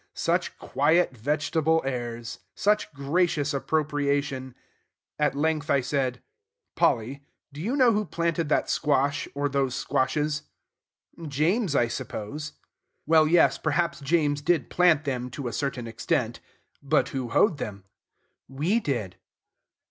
Such quiet, vegetable airs! Such gracious appropriation! At length I said, "Polly, do you know who planted that squash, or those squashes?" "James, I suppose." "Well, yes, perhaps James did plant them, to a certain extent. But who hoed them?" "We did."